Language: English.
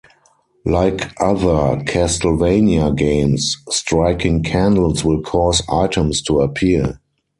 Like other "Castlevania" games, striking candles will cause items to appear.